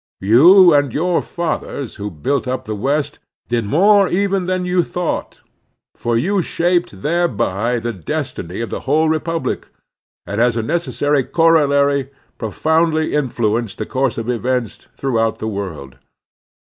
You and your fathers who built up the West did more even than you thought ; for you shaped thereby the destiny of the whole republic, and as a necessary corollary profotmdly influenced the coiu^e of events through out the world.